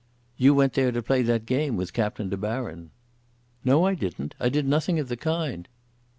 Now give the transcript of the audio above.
"You went there to play that game with Captain De Baron." "No, I didn't. I did nothing of the kind."